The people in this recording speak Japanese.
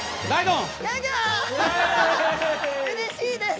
うれしいです。